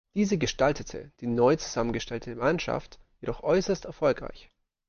Diese gestaltete die neu zusammengestellte Mannschaft jedoch äußerst erfolgreich.